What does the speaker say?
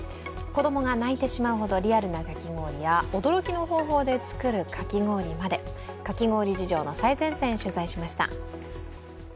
子供が泣いてしまうほどリアルなかき氷や驚きの方法で作るかき氷まで、かき氷事情の最前線を取材しました。